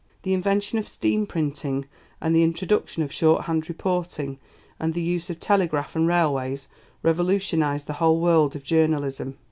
The invention of steam printing, and the introduction of shorthand reporting and the use of telegraph and railways, revolutionized the whole world of journalism.